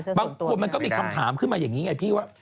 บางคนมันก็มีคำถามขึ้นมาอย่างนี้ไงพี่ว่า